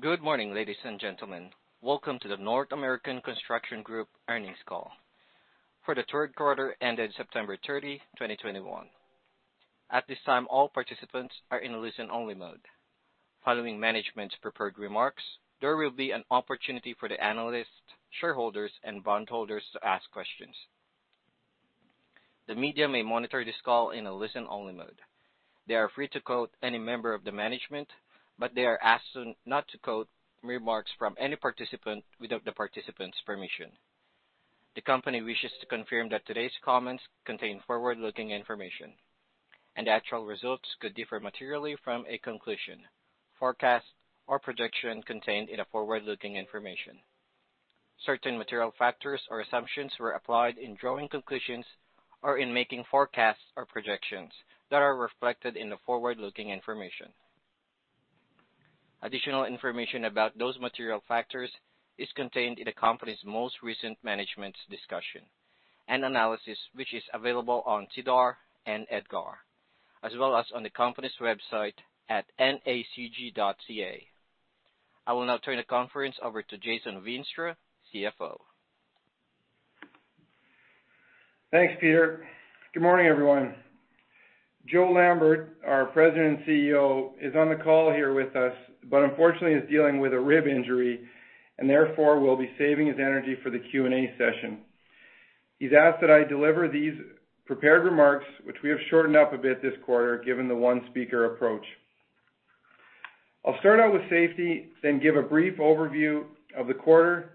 Good morning, ladies and gentlemen. Welcome to the North American Construction Group earnings call for Q3 ended September 30, 2021. At this time, all participants are in a listen-only mode. Following management's prepared remarks, there will be an opportunity for the analysts, shareholders, and bondholders to ask questions. The media may monitor this call in a listen-only mode. They are free to quote any member of the management, but they are asked not to quote remarks from any participant without the participant's permission. The company wishes to confirm that today's comments contain forward-looking information, and actual results could differ materially from a conclusion, forecast, or prediction contained in a forward-looking information. Certain material factors or assumptions were applied in drawing conclusions or in making forecasts or projections that are reflected in the forward-looking information. Additional information about those material factors is contained in the company's most recent Management's Discussion and Analysis, which is available on SEDAR and EDGAR, as well as on the company's website at nacg.ca. I will now turn the conference over to Jason Veenstra, CFO. Thanks, Peter. Good morning, everyone. Joe Lambert, our President and CEO, is on the call here with us, but unfortunately is dealing with a rib injury and therefore will be saving his energy for the Q&A session. He's asked that I deliver these prepared remarks, which we have shortened up a bit this quarter, given the one speaker approach. I'll start out with safety, then give a brief overview of the quarter,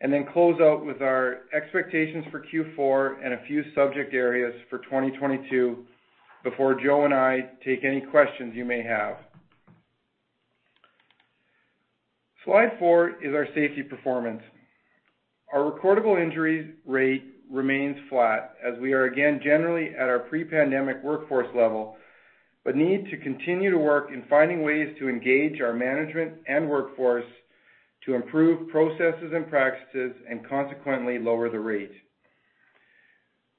and then close out with our expectations for Q4 and a few subject areas for 2022 before Joe and I take any questions you may have. Slide 4 is our safety performance. Our recordable injuries rate remains flat as we are again generally at our pre-pandemic workforce level, but need to continue to work on finding ways to engage our management and workforce to improve processes and practices and consequently lower the rate.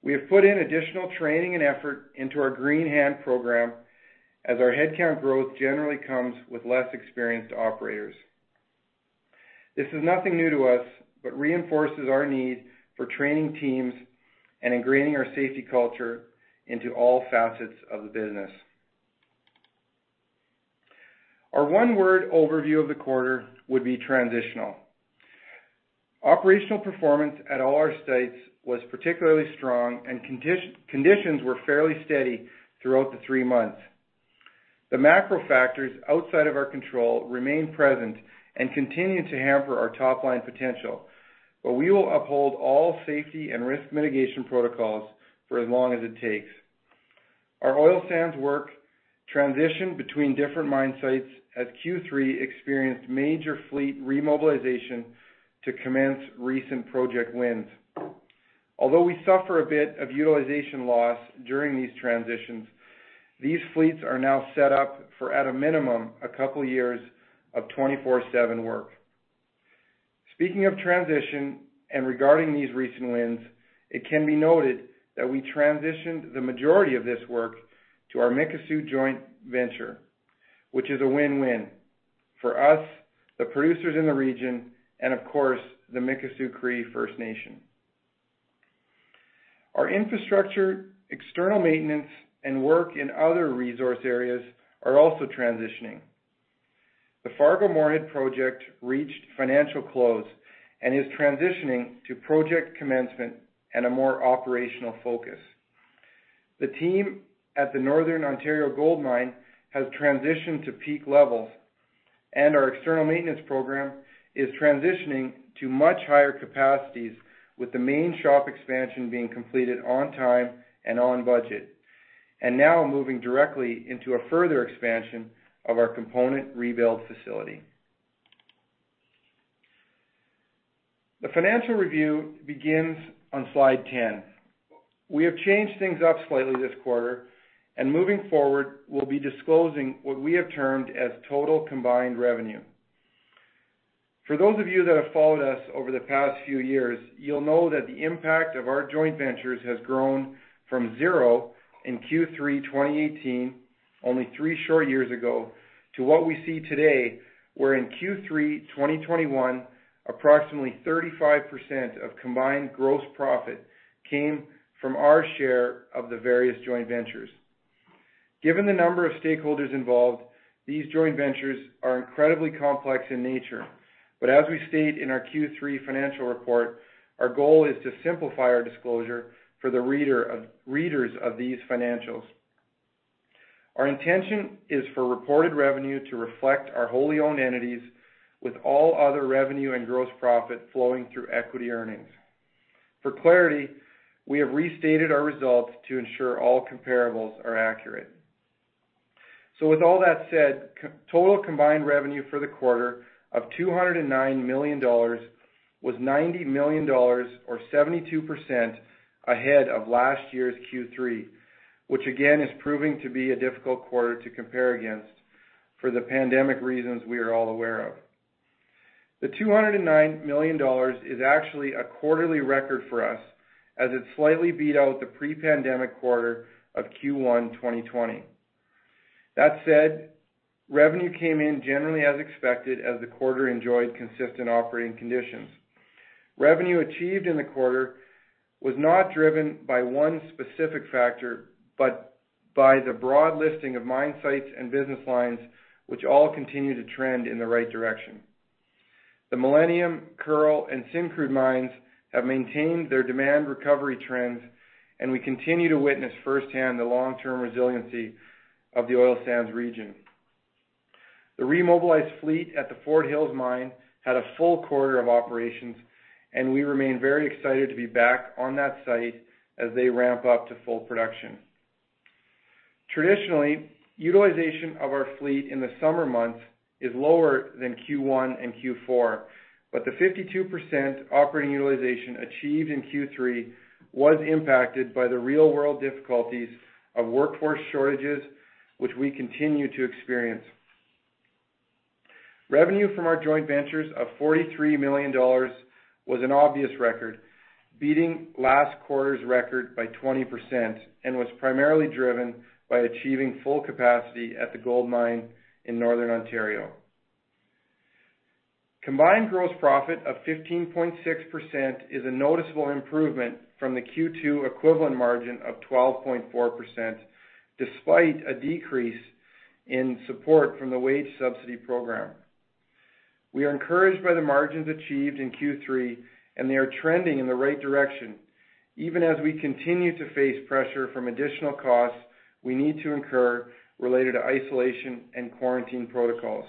We have put in additional training and effort into our Green Hand program as our headcount growth generally comes with less experienced operators. This is nothing new to us, but reinforces our need for training teams and ingraining our safety culture into all facets of the business. Our one-word overview of the quarter would be transitional. Operational performance at all our sites was particularly strong and conditions were fairly steady throughout the three months. The macro factors outside of our control remain present and continue to hamper our top-line potential, but we will uphold all safety and risk mitigation protocols for as long as it takes. Our oil sands work transitioned between different mine sites as Q3 experienced major fleet remobilization to commence recent project wins. Although we suffer a bit of utilization loss during these transitions, these fleets are now set up for, at a minimum, a couple years of 24/7 work. Speaking of transition and regarding these recent wins, it can be noted that we transitioned the majority of this work to our Mikisew joint venture, which is a win-win for us, the producers in the region, and of course, the Mikisew Cree First Nation. Our infrastructure, external maintenance, and work in other resource areas are also transitioning. The Fargo-Moorhead project reached financial close and is transitioning to project commencement and a more operational focus. The team at the Northern Ontario Gold Mine has transitioned to peak levels, and our external maintenance program is transitioning to much higher capacities with the main shop expansion being completed on time and on budget, and now moving directly into a further expansion of our component rebuild facility. The financial review begins on slide 10. We have changed things up slightly this quarter, and moving forward, we'll be disclosing what we have termed as total combined revenue. For those of you that have followed us over the past few years, you'll know that the impact of our joint ventures has grown from zero in Q3 2018, only 3 short years ago, to what we see today, where in Q3 2021, approximately 35% of combined gross profit came from our share of the various joint ventures. Given the number of stakeholders involved, these joint ventures are incredibly complex in nature. As we state in our Q3 financial report, our goal is to simplify our disclosure for the reader of, readers of these financials. Our intention is for reported revenue to reflect our wholly owned entities with all other revenue and gross profit flowing through equity earnings. For clarity, we have restated our results to ensure all comparables are accurate. With all that said, total combined revenue for the quarter of 209 million dollars was 90 million dollars or 72% ahead of last year's Q3, which again is proving to be a difficult quarter to compare against for the pandemic reasons we are all aware of. 209 million dollars is actually a quarterly record for us as it slightly beat out the pre-pandemic quarter of Q1 2020. That said, revenue came in generally as expected as the quarter enjoyed consistent operating conditions. Revenue achieved in the quarter was not driven by one specific factor but by the broad listing of mine sites and business lines which all continue to trend in the right direction. The Millennium, Kearl, and Syncrude mines have maintained their demand recovery trends, and we continue to witness firsthand the long-term resiliency of the oil sands region. The remobilized fleet at the Fort Hills mine had a full quarter of operations, and we remain very excited to be back on that site as they ramp up to full production. Traditionally, utilization of our fleet in the summer months is lower than Q1 and Q4, but the 52% operating utilization achieved in Q3 was impacted by the real-world difficulties of workforce shortages, which we continue to experience. Revenue from our joint ventures of 43 million dollars was an obvious record, beating last quarter's record by 20% and was primarily driven by achieving full capacity at the gold mine in Northern Ontario. Combined gross margin of 15.6% is a noticeable improvement from the Q2 equivalent margin of 12.4% despite a decrease in support from the wage subsidy program. We are encouraged by the margins achieved in Q3, and they are trending in the right direction. Even as we continue to face pressure from additional costs we need to incur related to isolation and quarantine protocols.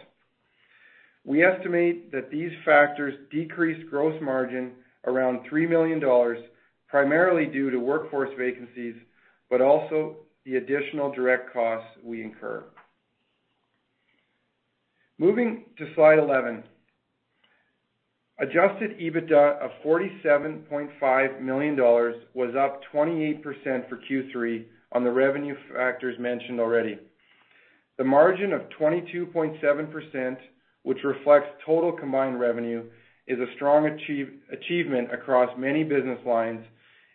We estimate that these factors decrease gross margin around 3 million dollars, primarily due to workforce vacancies, but also the additional direct costs we incur. Moving to slide 11. Adjusted EBITDA of $47.5 million was up 28% for Q3 on the revenue factors mentioned already. The margin of 22.7%, which reflects total combined revenue, is a strong achievement across many business lines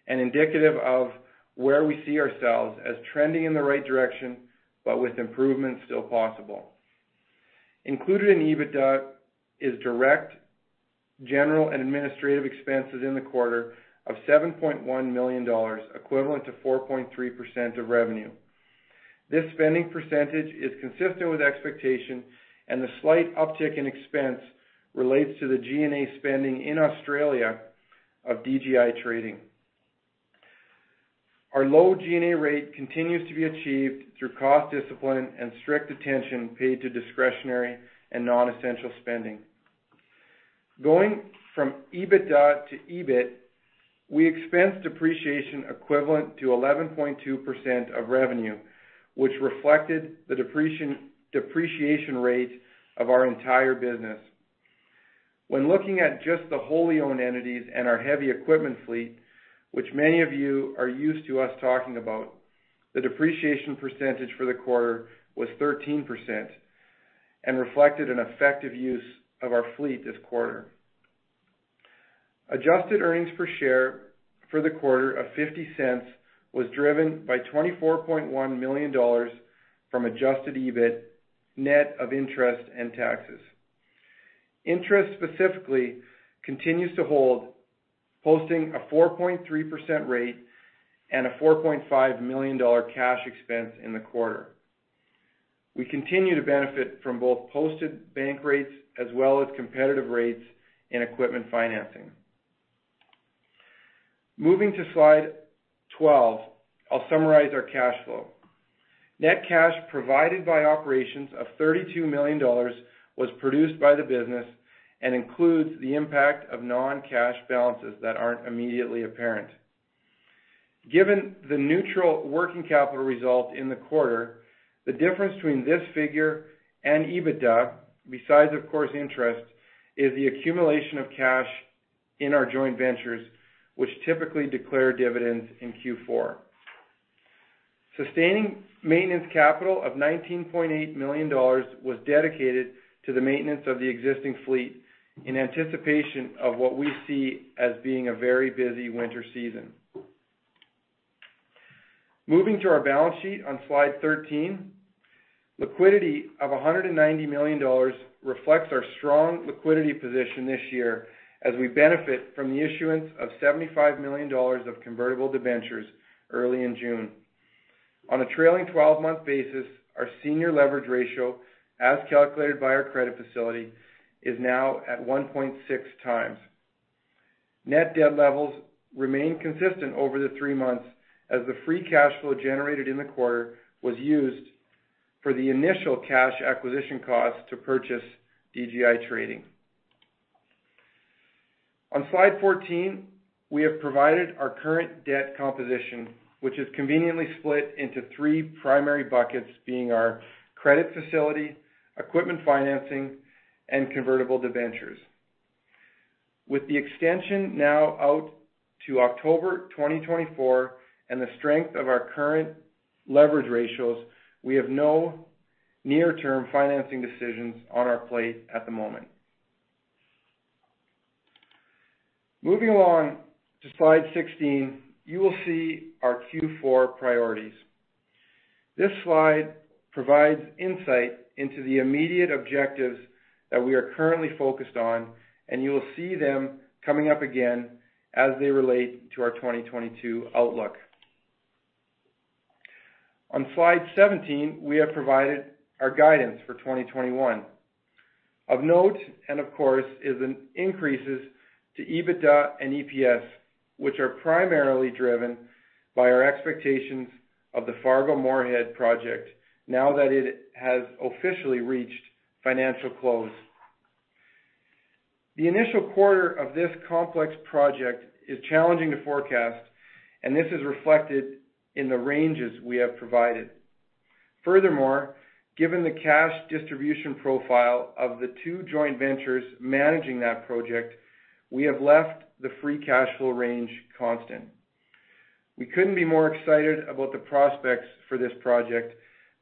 and indicative of where we see ourselves as trending in the right direction but with improvements still possible. Included in EBITDA is direct, general, and administrative expenses in the quarter of $7.1 million, equivalent to 4.3% of revenue. This spending percentage is consistent with expectation, and the slight uptick in expense relates to the G&A spending in Australia of DGI Trading. Our low G&A rate continues to be achieved through cost discipline and strict attention paid to discretionary and non-essential spending. Going from EBITDA to EBIT, we expense depreciation equivalent to 11.2% of revenue, which reflected the depreciation rate of our entire business. When looking at just the wholly owned entities and our heavy equipment fleet, which many of you are used to us talking about, the depreciation percentage for the quarter was 13% and reflected an effective use of our fleet this quarter. Adjusted earnings per share for the quarter of 0.50 was driven by 24.1 million dollars from adjusted EBIT, net of interest and taxes. Interest specifically continues to hold, posting a 4.3% rate and a 4.5 million dollar cash expense in the quarter. We continue to benefit from both posted bank rates as well as competitive rates in equipment financing. Moving to slide 12, I'll summarize our cash flow. Net cash provided by operations of 32 million dollars was produced by the business and includes the impact of non-cash balances that aren't immediately apparent. Given the neutral working capital result in the quarter, the difference between this figure and EBITDA, besides of course interest, is the accumulation of cash in our joint ventures which typically declare dividends in Q4. Sustaining maintenance capital of 19.8 million dollars was dedicated to the maintenance of the existing fleet in anticipation of what we see as being a very busy winter season. Moving to our balance sheet on slide 13, liquidity of 190 million dollars reflects our strong liquidity position this year as we benefit from the issuance of 75 million dollars of convertible debentures early in June. On a trailing twelve-month basis, our senior leverage ratio, as calculated by our credit facility, is now at 1.6 times. Net debt levels remain consistent over the three months as the free cash flow generated in the quarter was used for the initial cash acquisition cost to purchase DGI Trading. On slide 14, we have provided our current debt composition, which is conveniently split into three primary buckets being our credit facility, equipment financing, and convertible debentures. With the extension now out to October 2024 and the strength of our current leverage ratios, we have no near-term financing decisions on our plate at the moment. Moving along to slide 16, you will see our Q4 priorities. This slide provides insight into the immediate objectives that we are currently focused on, and you will see them coming up again as they relate to our 2022 outlook. On slide 17, we have provided our guidance for 2021. Of note, and of course, is an increase to EBITDA and EPS, which are primarily driven by our expectations of the Fargo-Moorhead project now that it has officially reached financial close. The initial quarter of this complex project is challenging to forecast, and this is reflected in the ranges we have provided. Furthermore, given the cash distribution profile of the two joint ventures managing that project, we have left the free cash flow range constant. We couldn't be more excited about the prospects for this project,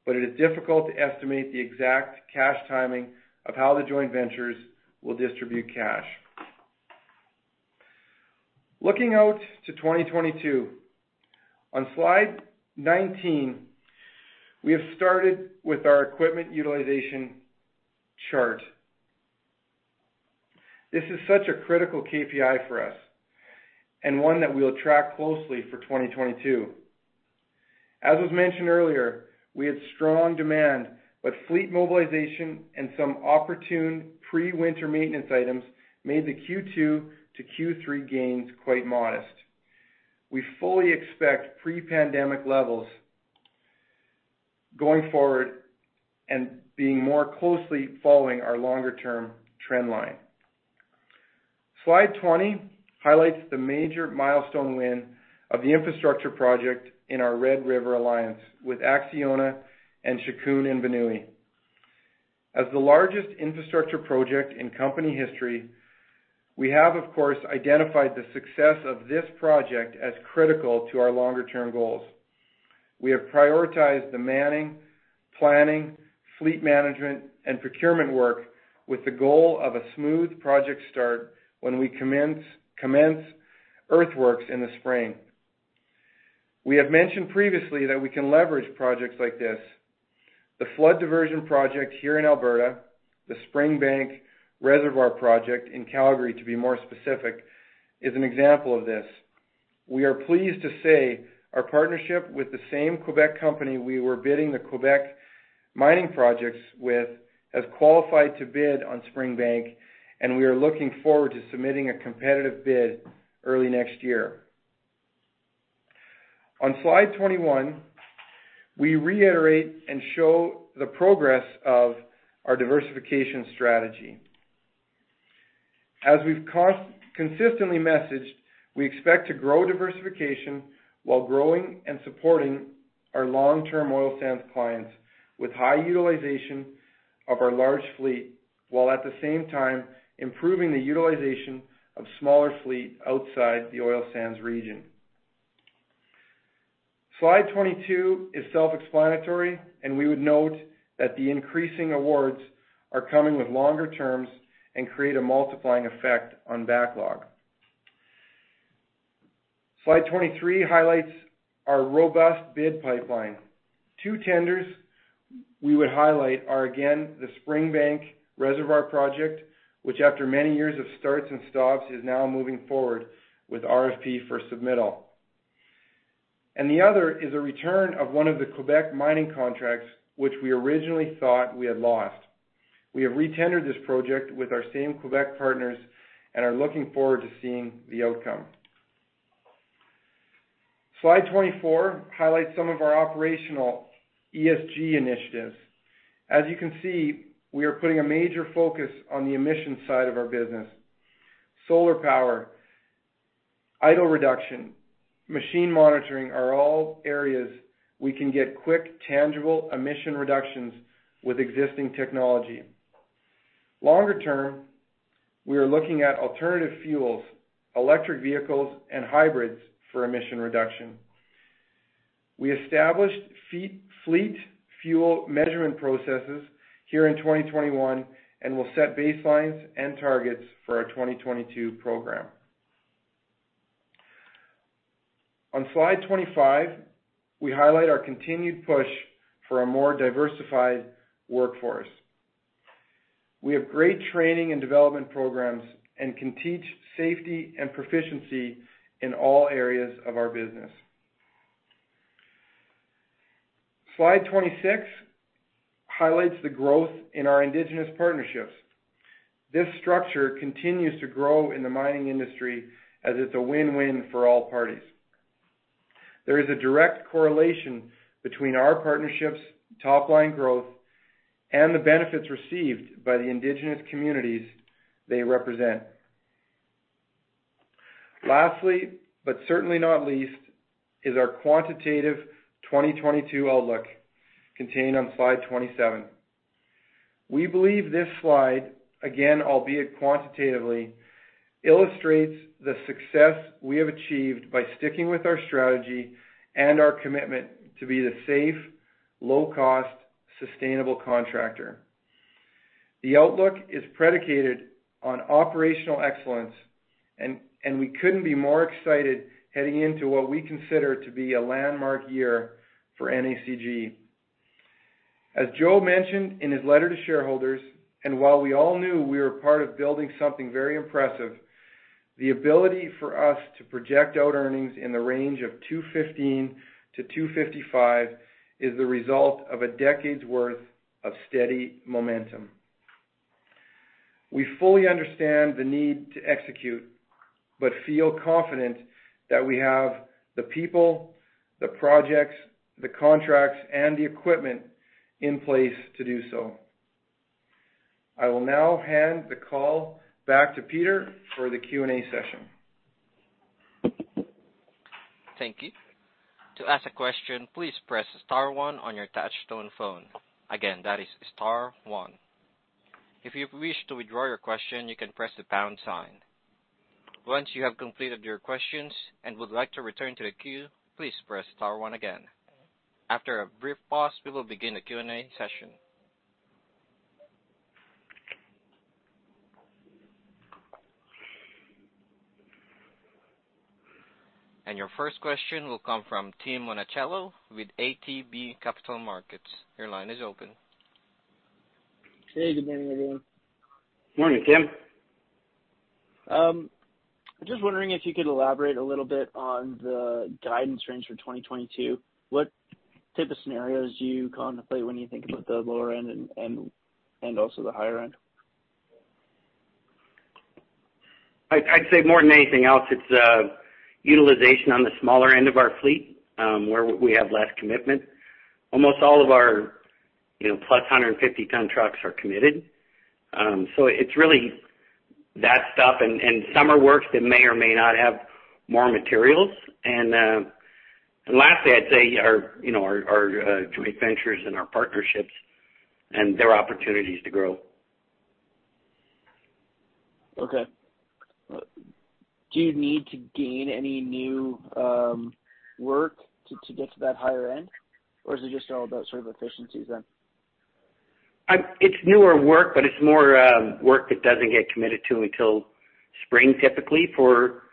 but it is difficult to estimate the exact cash timing of how the joint ventures will distribute cash. Looking out to 2022, on slide 19, we have started with our equipment utilization chart. This is such a critical KPI for us and one that we'll track closely for 2022. As was mentioned earlier, we had strong demand, but fleet mobilization and some opportune pre-winter maintenance items made the Q2 to Q3 gains quite modest. We fully expect pre-pandemic levels going forward and being more closely following our longer-term trend line. Slide 20 highlights the major milestone win of the infrastructure project in our Red River Valley Alliance with Acciona and Shikun & Binui. As the largest infrastructure project in company history, we have, of course, identified the success of this project as critical to our longer-term goals. We have prioritized the manning, planning, fleet management, and procurement work with the goal of a smooth project start when we commence earthworks in the spring. We have mentioned previously that we can leverage projects like this. The flood diversion project here in Alberta, the Springbank Reservoir Project in Calgary, to be more specific, is an example of this. We are pleased to say our partnership with the same Quebec company we were bidding the Quebec mining projects with has qualified to bid on Springbank, and we are looking forward to submitting a competitive bid early next year. On slide 21, we reiterate and show the progress of our diversification strategy. As we've consistently messaged, we expect to grow diversification while growing and supporting our long-term oil sands clients with high utilization of our large fleet, while at the same time improving the utilization of smaller fleet outside the oil sands region. Slide 22 is self-explanatory, and we would note that the increasing awards are coming with longer terms and create a multiplying effect on backlog. Slide 23 highlights our robust bid pipeline. Two tenders we would highlight are again the Springbank Off-Stream Reservoir project, which after many years of starts and stops, is now moving forward with RFP for submittal. The other is a return of one of the Quebec mining contracts which we originally thought we had lost. We have retendered this project with our same Quebec partners and are looking forward to seeing the outcome. Slide 24 highlights some of our operational ESG initiatives. As you can see, we are putting a major focus on the emission side of our business. Solar power, idle reduction, machine monitoring are all areas we can get quick, tangible emission reductions with existing technology. Longer term, we are looking at alternative fuels, electric vehicles, and hybrids for emission reduction. We established fleet fuel measurement processes here in 2021 and will set baselines and targets for our 2022 program. On slide 25, we highlight our continued push for a more diversified workforce. We have great training and development programs and can teach safety and proficiency in all areas of our business. Slide 26 highlights the growth in our indigenous partnerships. This structure continues to grow in the mining industry as it's a win-win for all parties. There is a direct correlation between our partnerships, top-line growth, and the benefits received by the indigenous communities they represent. Lastly, but certainly not least, is our quantitative 2022 outlook contained on slide 27. We believe this slide, again, albeit quantitatively, illustrates the success we have achieved by sticking with our strategy and our commitment to be the safe, low cost, sustainable contractor. The outlook is predicated on operational excellence and we couldn't be more excited heading into what we consider to be a landmark year for NACG. As Joe mentioned in his letter to shareholders, while we all knew we were part of building something very impressive, the ability for us to project out earnings in the range of 215-255 is the result of a decade's worth of steady momentum. We fully understand the need to execute, but feel confident that we have the people, the projects, the contracts, and the equipment in place to do so. I will now hand the call back to Peter for the Q&A session. Thank you. To ask a question, please press star one on your touchtone phone. Again, that is star one. If you wish to withdraw your question, you can press the pound sign. Once you have completed your questions and would like to return to the queue, please press star one again. After a brief pause, we will begin the Q&A session. Your first question will come from Tim Monachello with ATB Capital Markets. Your line is open. Hey, good morning, everyone. Morning, Tim. Just wondering if you could elaborate a little bit on the guidance range for 2022. What type of scenarios do you contemplate when you think about the lower end and also the higher-end? I'd say more than anything else, it's utilization on the smaller end of our fleet, where we have less commitment. Almost all of our, you know, plus 150 ton trucks are committed. So it's really that stuff and summer works that may or may not have more materials. Lastly, I'd say our, you know, our joint ventures and our partnerships and their opportunities to grow. Okay. Do you need to gain any new work to get to that higher-end? Is it just all about sort of efficiencies then? It's newer work, but it's more work that doesn't get committed to until spring, typically, for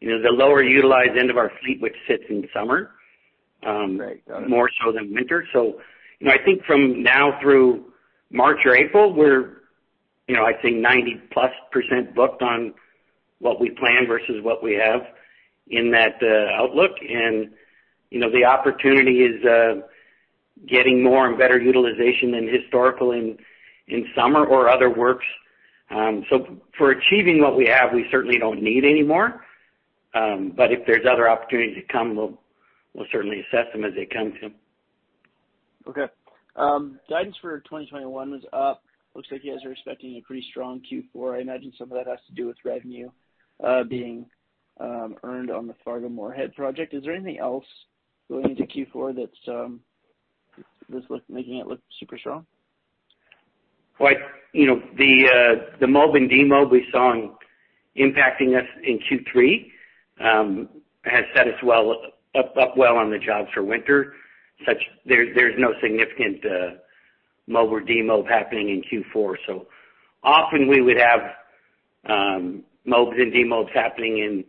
the lower utilized end of our fleet, which sits in summer. Right. Got it. More so than winter. You know, I think from now through March or April, we're, you know, I think 90%+ booked on what we plan versus what we have in that outlook. You know, the opportunity is getting more and better utilization than historical in summer or other works. For achieving what we have, we certainly don't need any more. If there's other opportunities that come, we'll certainly assess them as they come, Tim. Okay. Guidance for 2021 was up. Looks like you guys are expecting a pretty strong Q4. I imagine some of that has to do with revenue being earned on the Fargo-Moorhead project. Is there anything else going into Q4 that's making it look super strong? Like, you know, the mob and demob we saw impacting us in Q3 has set us up well on the jobs for winter. There’s no significant mob or demob happening in Q4. Often we would have mobs and demobs happening in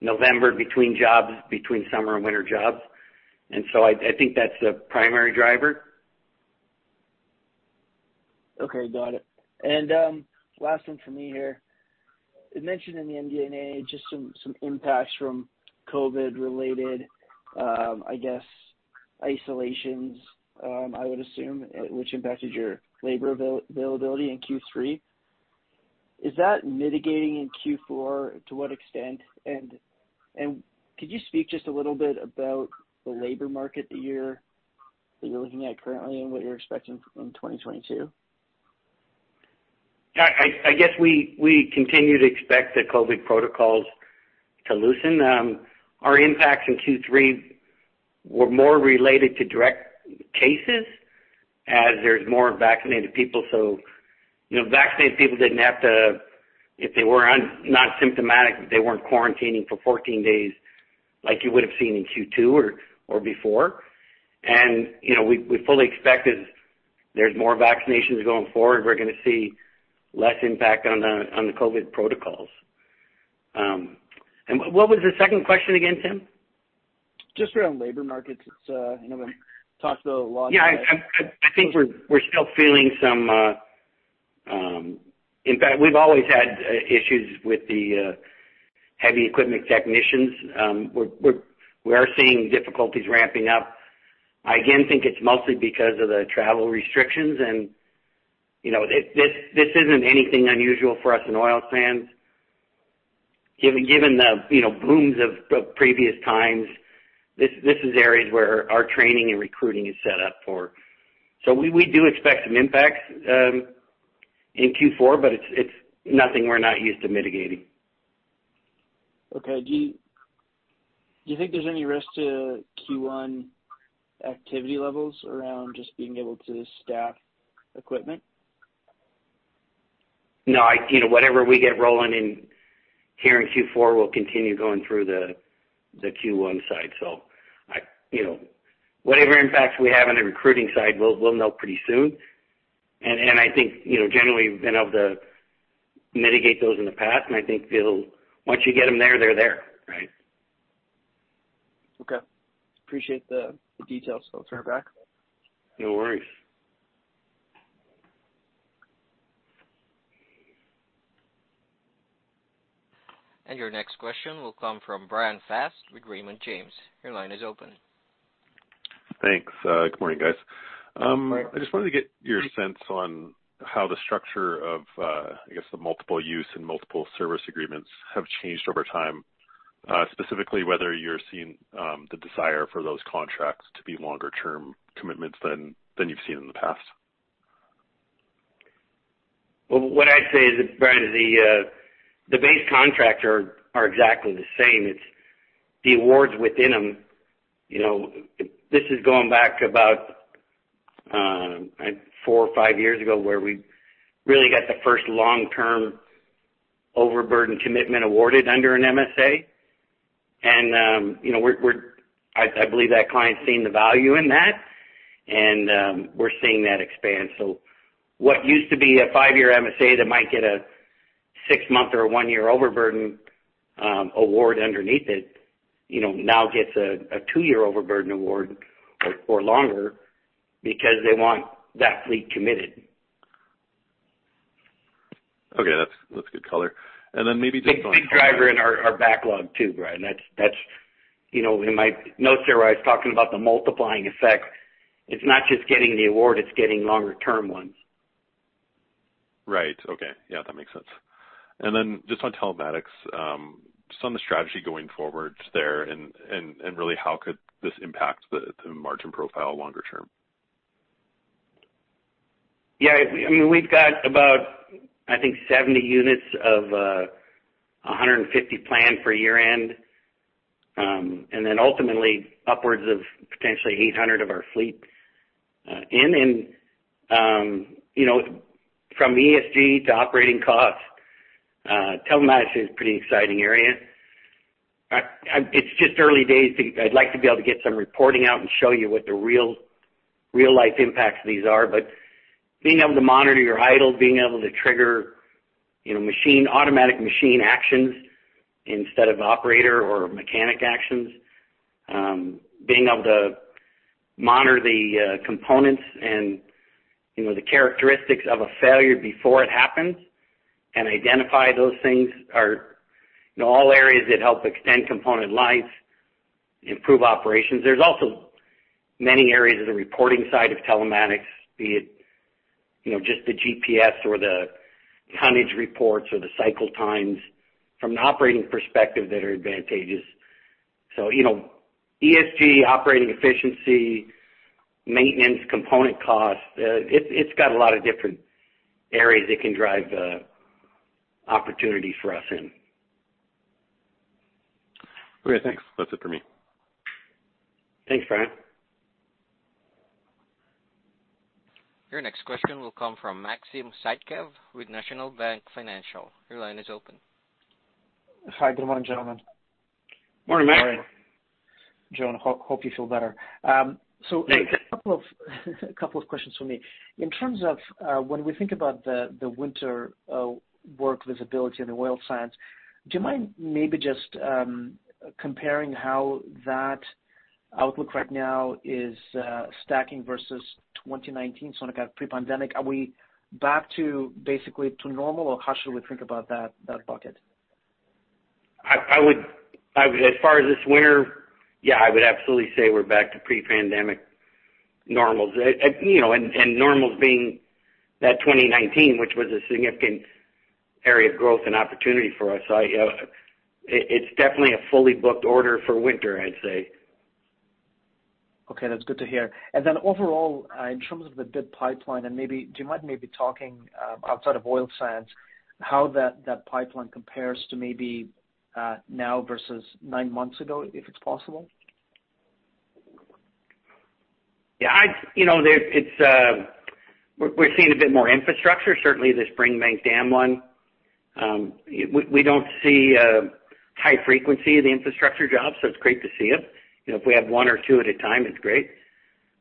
November between jobs, between summer and winter jobs. I think that’s the primary driver. Okay. Got it. Last one for me here. It mentioned in the MD&A just some impacts from COVID-related isolations, I guess, I would assume, which impacted your labor availability in Q3. Is that mitigating in Q4? To what extent? Could you speak just a little bit about the labor market that you're looking at currently and what you're expecting in 2022? I guess we continue to expect the COVID protocols to loosen. Our impacts in Q3 were more related to direct cases as there's more vaccinated people. You know, vaccinated people didn't have to, if they were not symptomatic, they weren't quarantining for 14 days like you would have seen in Q2 or before. You know, we fully expect as there's more vaccinations going forward, we're gonna see less impact on the COVID protocols. What was the second question again, Tim? Just around labor markets. It's, you know, been talked about a lot. I think we're still feeling some. In fact, we've always had issues with the heavy equipment technicians. We are seeing difficulties ramping up. I again think it's mostly because of the travel restrictions and, you know, this isn't anything unusual for us in oil sands given the, you know, booms of previous times. This is areas where our training and recruiting is set up for. We do expect some impacts in Q4, but it's nothing we're not used to mitigating. Okay. Do you think there's any risk to Q1 activity levels around just being able to staff equipment? No, you know, whatever we get rolling in here in Q4 will continue going through the Q1 side. You know, whatever impacts we have on the recruiting side, we'll know pretty soon. I think, you know, generally we've been able to mitigate those in the past, and I think it'll. Once you get them there, they're there, right? Okay. Appreciate the details. I'll turn it back. No worries. Your next question will come from Bryan Fast with Raymond James. Your line is open. Thanks. Good morning, guys. Good morning. I just wanted to get your sense on how the structure of, I guess, the multiple use and multiple service agreements have changed over time, specifically whether you're seeing, the desire for those contracts to be longer term commitments than you've seen in the past. Well, what I'd say is that, Bryan, the base contracts are exactly the same. It's the awards within them, you know. This is going back to about four or five years ago, where we really got the first long-term overburden commitment awarded under an MSA. You know, I believe that client's seen the value in that, and we're seeing that expand. What used to be a five-year MSA that might get a six-month or one-year overburden award underneath it, you know, now gets a two-year overburden award or longer because they want that fleet committed. Okay. That's good color. Maybe just on- Big driver in our backlog too, Brian. That's... You know, in my notes here where I was talking about the multiplying effect, it's not just getting the award, it's getting longer term ones. Right. Okay. Yeah, that makes sense. Just on telematics, some of the strategy going forward there and really how could this impact the margin profile longer term? Yeah. I mean, we've got about, I think 70 units of 150 planned for year end, and then ultimately upwards of potentially 800 of our fleet, in. You know, from ESG to operating costs, telematics is pretty exciting area. It's just early days. I'd like to be able to get some reporting out and show you what the real life impacts of these are. But being able to monitor your idle, being able to trigger, you know, machine, automatic machine actions instead of operator or mechanic actions, being able to monitor the components and, you know, the characteristics of a failure before it happens and identify those things are, you know, all areas that help extend component life, improve operations. There's also many areas of the reporting side of telematics, be it, you know, just the GPS or the tonnage reports or the cycle times from an operating perspective that are advantageous. You know, ESG, operating efficiency, maintenance, component costs, it's got a lot of different areas that can drive the opportunity for us in. Great. Thanks. That's it for me. Thanks, Bryan. Your next question will come from Maxim Sytchev with National Bank Financial. Your line is open. Hi. Good morning, gentlemen. Morning, Max. John, hope you feel better. Thanks. A couple of questions from me. In terms of when we think about the winter work visibility in the oil sands, do you mind maybe just comparing how that outlook right now is stacking versus 2019, so when it got pre-pandemic? Are we back to basically normal or how should we think about that bucket? As far as this winter, yeah, I would absolutely say we're back to pre-pandemic normals. You know, and normals being that 2019, which was a significant area of growth and opportunity for us. It's definitely a fully booked order for winter, I'd say. Okay, that's good to hear. Overall, in terms of the bid pipeline, and maybe do you mind maybe talking, outside of oil sands, how that pipeline compares to maybe, now versus nine months ago, if it's possible? Yeah, you know, it's. We're seeing a bit more infrastructure, certainly the Springbank Dam one. We don't see high frequency of the infrastructure jobs, so it's great to see it. You know, if we have one or two at a time, it's great.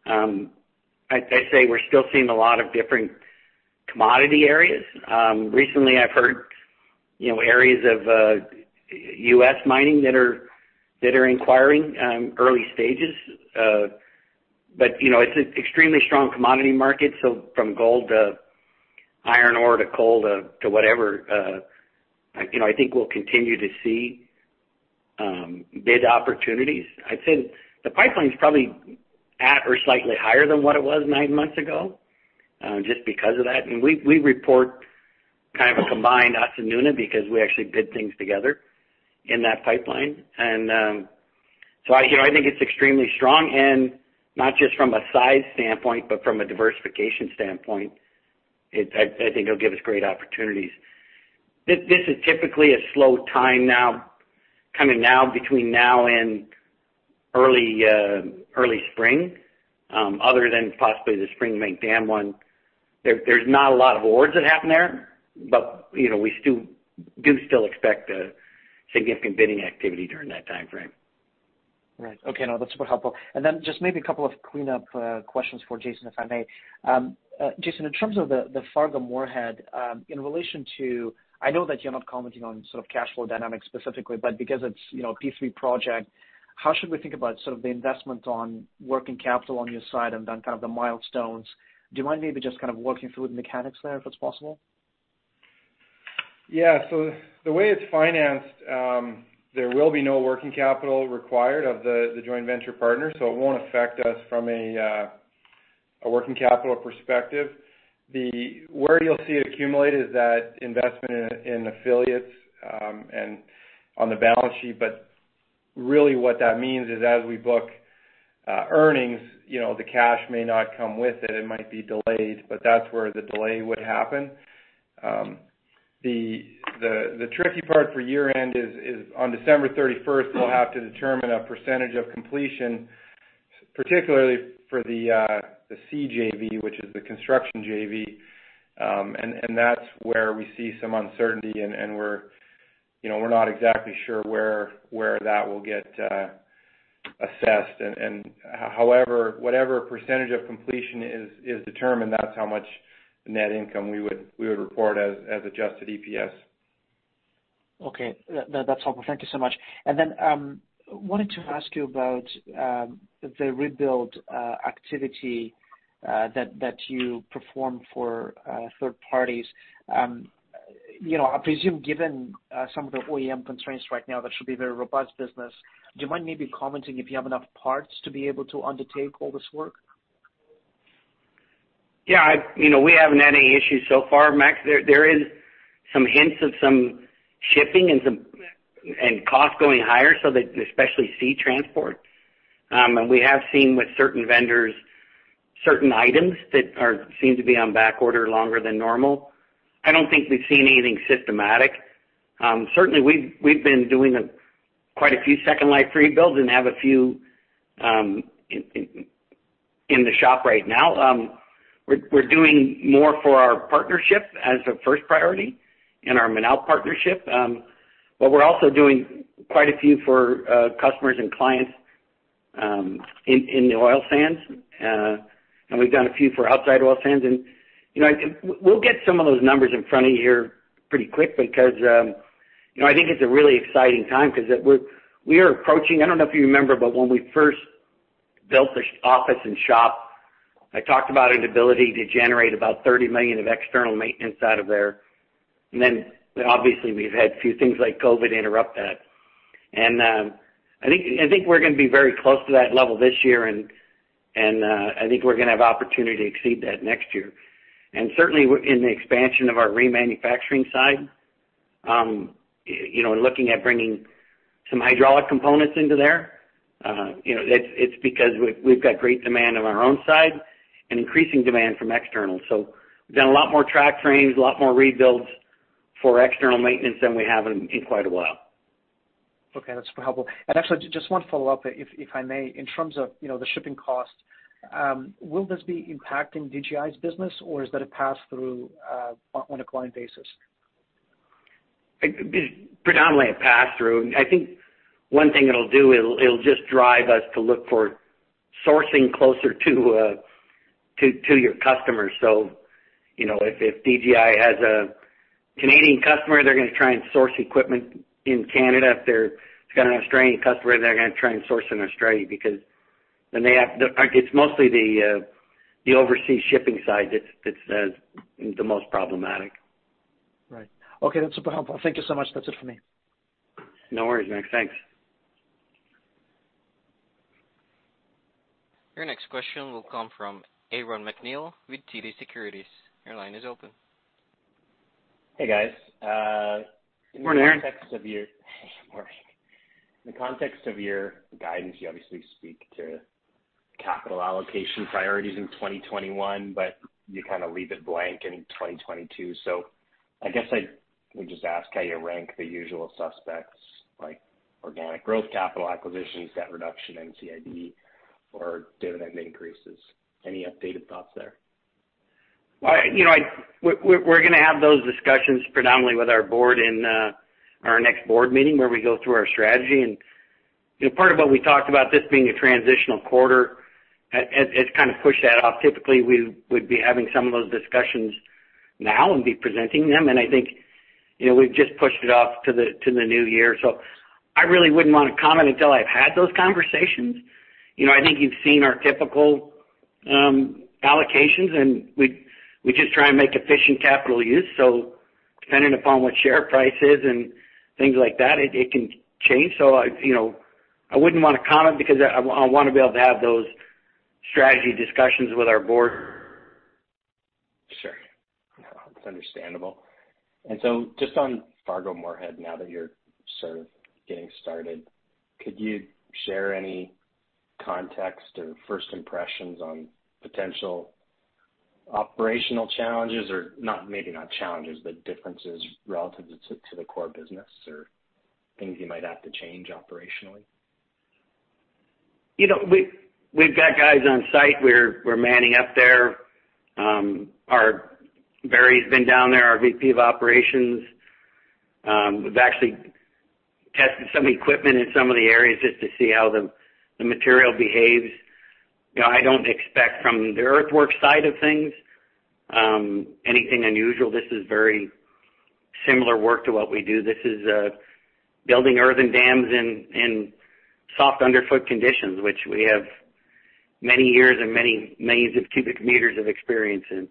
I'd say we're still seeing a lot of different commodity areas. Recently I've heard, you know, areas of U.S. mining that are inquiring early stages. You know, it's an extremely strong commodity market, so from gold to iron ore to coal to whatever, you know, I think we'll continue to see bid opportunities. I'd say the pipeline's probably at or slightly higher than what it was nine months ago, just because of that. We report kind of a combined us and Nuna because we actually bid things together in that pipeline. I think it's extremely strong and not just from a size standpoint, but from a diversification standpoint. I think it'll give us great opportunities. This is typically a slow time now, kind of now between now and early spring, other than possibly the spring maintenance one. There's not a lot of awards that happen there, but you know, we still expect a significant bidding activity during that time frame. Right. Okay. No, that's super helpful. Just maybe a couple of cleanup questions for Jason, if I may. Jason, in terms of the Fargo-Moorhead, in relation to I know that you're not commenting on sort of cash flow dynamics specifically, but because it's you know a P3 project, how should we think about sort of the investment on working capital on your side and then kind of the milestones? Do you mind maybe just kind of walking through the mechanics there, if it's possible? Yeah. The way it's financed, there will be no working capital required of the joint venture partner, so it won't affect us from a working capital perspective. Where you'll see it accumulate is that investment in affiliates and on the balance sheet. Really what that means is, as we book earnings, you know, the cash may not come with it. It might be delayed, but that's where the delay would happen. The tricky part for year-end is on December thirty-first, we'll have to determine a percentage of completion, particularly for the CJV, which is the construction JV. And that's where we see some uncertainty and we're, you know, we're not exactly sure where that will get assessed. However, whatever percentage of completion is determined, that's how much net income we would report as adjusted EPS. Okay. That's helpful. Thank you so much. I wanted to ask you about the rebuild activity that you perform for third parties. You know, I presume, given some of the OEM constraints right now, that should be very robust business. Do you mind commenting if you have enough parts to be able to undertake all this work? Yeah. You know, we haven't had any issues so far, Max. There is some hints of some shipping and costs going higher, especially sea transport. We have seen with certain vendors, certain items that seem to be on backorder longer than normal. I don't think we've seen anything systematic. Certainly we've been doing quite a few second life rebuilds and have a few in the shop right now. We're doing more for our partnership as a first priority in our MNALP partnership. But we're also doing quite a few for customers and clients in the oil sands. We've done a few for outside oil sands. You know, we'll get some of those numbers in front of you here pretty quick because, you know, I think it's a really exciting time because we are approaching. I don't know if you remember, but when we first built this office and shop, I talked about an ability to generate about 30 million of external maintenance out of there. Then obviously we've had a few things like COVID interrupt that. I think we're gonna be very close to that level this year and I think we're gonna have opportunity to exceed that next year. Certainly in the expansion of our remanufacturing side, you know, looking at bringing some hydraulic components into there, you know, it's because we've got great demand on our own side and increasing demand from external. We've done a lot more track trains, a lot more rebuilds for external maintenance than we have in quite a while. Okay, that's helpful. Actually, just one follow-up, if I may. In terms of, you know, the shipping costs, will this be impacting DGI's business, or is that a pass-through, on a client basis? Predominantly a pass-through. I think one thing it'll do, it'll just drive us to look for sourcing closer to your customers. You know, if DGI has a Canadian customer, they're gonna try and source equipment in Canada. If it's got an Australian customer, they're gonna try and source in Australia. It's mostly the overseas shipping side that's the most problematic. Right. Okay, that's super helpful. Thank you so much. That's it for me. No worries, Max. Thanks. Your next question will come from Aaron MacNeil with TD Securities. Your line is open. Hey, guys. Good morning, Aaron. In the context of your guidance, you obviously speak to capital allocation priorities in 2021, but you kinda leave it blank in 2022. I guess I would just ask how you rank the usual suspects, like organic growth, capital acquisitions, debt reduction, NCIB or dividend increases. Any updated thoughts there? Well, you know, We're gonna have those discussions predominantly with our board in our next board meeting where we go through our strategy. You know, part of what we talked about this being a transitional quarter, it kind of pushed that off. Typically, we would be having some of those discussions now and be presenting them, and I think, you know, we've just pushed it off to the new year. I really wouldn't wanna comment until I've had those conversations. You know, I think you've seen our typical allocations, and we just try and make efficient capital use. Depending upon what share price is and things like that, it can change. You know, I wouldn't wanna comment because I wanna be able to have those strategy discussions with our board. Sure. No, it's understandable. Just on Fargo-Moorhead, now that you're sort of getting started, could you share any context or first impressions on potential operational challenges or not, maybe not challenges, but differences relative to the core business or things you might have to change operationally? You know, we've got guys on site. We're manning up there. Barry's been down there, our VP of operations. We've actually tested some equipment in some of the areas just to see how the material behaves. You know, I don't expect from the earthwork side of things, anything unusual. This is very similar work to what we do. This is building earthen dams in soft underfoot conditions, which we have many years and many millions of cubic meters of experience in.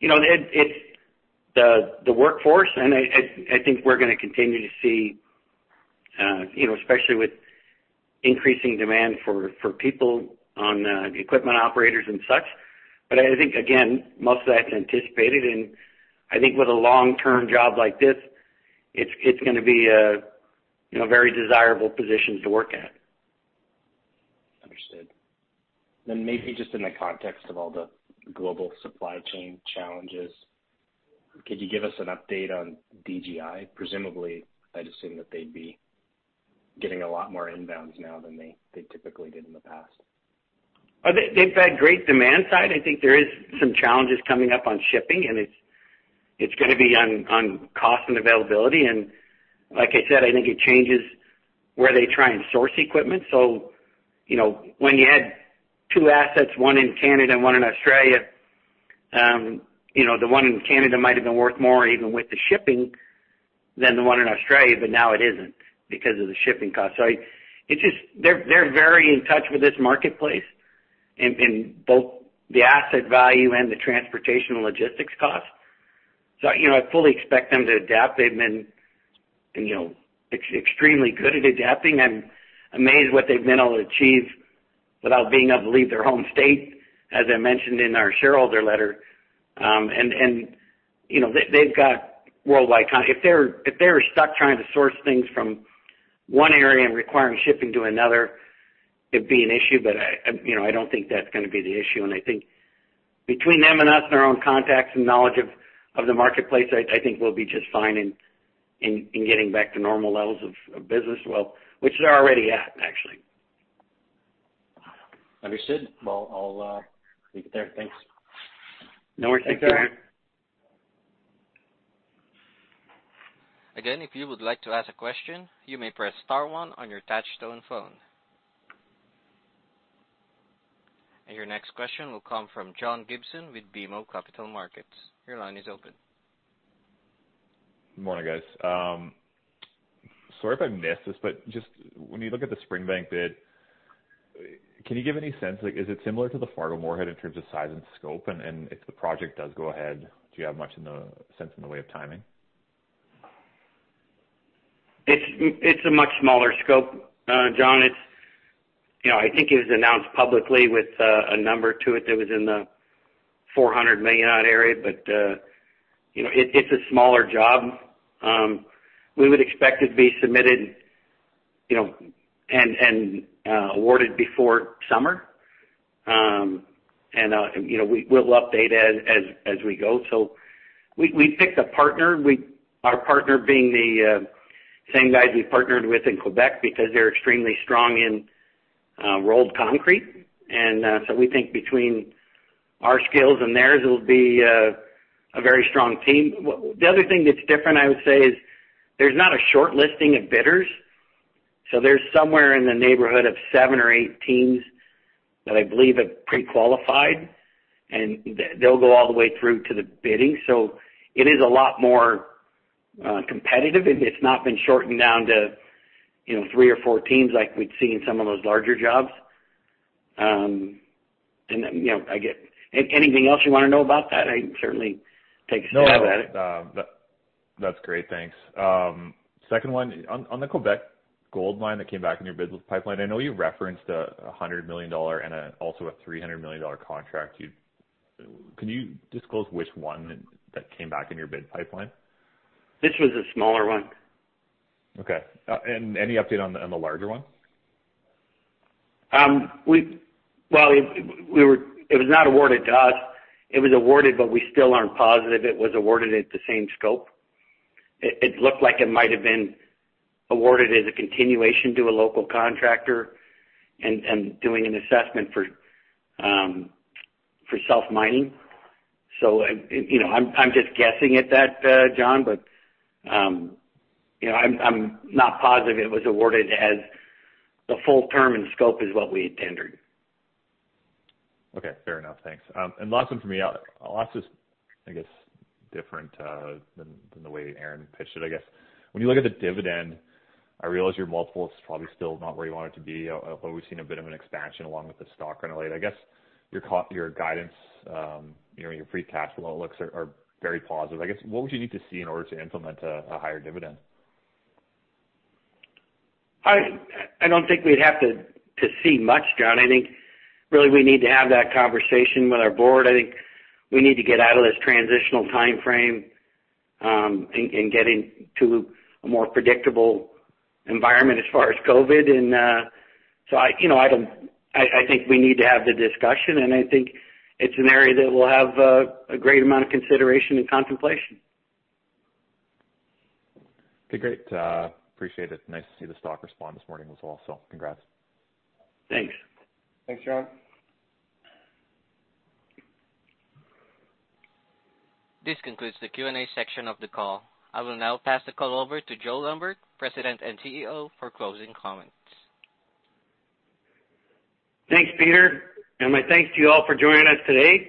You know, it's the workforce. I think we're gonna continue to see, you know, especially with increasing demand for people on the equipment operators and such. I think, again, most of that's anticipated. I think with a long-term job like this, it's gonna be a, you know, very desirable position to work at. Understood. Maybe just in the context of all the global supply chain challenges, could you give us an update on DGI? Presumably, I'd assume that they'd be getting a lot more inbounds now than they typically did in the past. They've had great demand side. I think there is some challenges coming up on shipping, and it's gonna be on cost and availability. Like I said, I think it changes where they try and source equipment. You know, when you had two assets, one in Canada and one in Australia, you know, the one in Canada might have been worth more even with the shipping than the one in Australia, but now it isn't because of the shipping cost. It's just they're very in touch with this marketplace in both the asset value and the transportation logistics costs. You know, I fully expect them to adapt. They've been, you know, extremely good at adapting. I'm amazed what they've been able to achieve without being able to leave their home state, as I mentioned in our shareholder letter. You know, if they're stuck trying to source things from one area and requiring shipping to another, it'd be an issue. You know, I don't think that's gonna be the issue. I think between them and us and our own contacts and knowledge of the marketplace, I think we'll be just fine in getting back to normal levels of business, well, which they're already at, actually. Understood. Well, I'll leave it there. Thanks. No worries. Take care. Again, if you would like to ask a question, you may press star one on your touchtone phone. Your next question will come from John Gibson with BMO Capital Markets. Your line is open. Morning, guys. Sorry if I missed this, but just when you look at the Springbank bid, can you give any sense, like is it similar to the Fargo-Moorhead in terms of size and scope? If the project does go ahead, do you have much in the sense in the way of timing? It's a much smaller scope, John. I think it was announced publicly with a number to it that was in the 400 million odd area. It's a smaller job. We would expect it to be submitted and awarded before summer. We'll update as we go. We picked a partner. Our partner being the same guys we partnered with in Quebec because they're extremely strong in roller-compacted concrete. We think between our skills and theirs, it'll be a very strong team. The other thing that's different, I would say, is there's not a short listing of bidders. There's somewhere in the neighborhood of seven or eight teams that I believe have pre-qualified, and they'll go all the way through to the bidding. It is a lot more competitive. It's not been shortened down to, you know, three or four teams like we'd see in some of those larger jobs. You know, anything else you wanna know about that, I can certainly take a stab at it. No, that's great. Thanks. Second one. On the Quebec Goldmine that came back in your business pipeline, I know you referenced 100 million dollar and also a 300 million dollar contract. Can you disclose which one that came back in your bid pipeline? This was a smaller one. Okay. Any update on the larger one? It was not awarded to us. It was awarded, but we still aren't positive it was awarded at the same scope. It looked like it might have been awarded as a continuation to a local contractor and doing an assessment for self-mining. You know, I'm just guessing at that, John, but you know, I'm not positive it was awarded as the full term and scope is what we tendered. Okay, fair enough. Thanks. Last one from me. I'll ask this, I guess, different than the way Aaron pitched it, I guess. When you look at the dividend, I realize your multiple is probably still not where you want it to be. We've seen a bit of an expansion along with the stock rally. I guess your guidance, you know, your free cash flow looks are very positive. I guess, what would you need to see in order to implement a higher dividend? I don't think we'd have to see much, John. I think really we need to have that conversation with our board. I think we need to get out of this transitional timeframe and get into a more predictable environment as far as COVID. You know, I think we need to have the discussion, and I think it's an area that will have a great amount of consideration and contemplation. Okay, great. Appreciate it. Nice to see the stock respond this morning as well. Congrats. Thanks. Thanks, John. This concludes the Q&A section of the call. I will now pass the call over to Joe Lambert, President and CEO, for closing comments. Thanks, Peter, and my thanks to you all for joining us today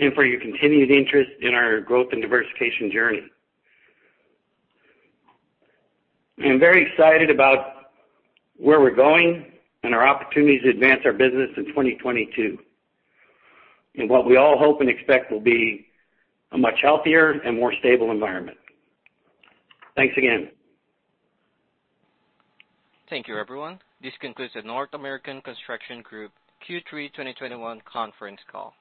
and for your continued interest in our growth and diversification journey. I'm very excited about where we're going and our opportunities to advance our business in 2022, in what we all hope and expect will be a much healthier and more stable environment. Thanks again. Thank you, everyone. This concludes the North American Construction Group Q3 2021 Conference Call.